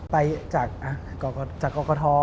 ไปจากเกาะกาทอ